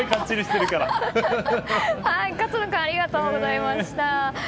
勝野君ありがとうございました。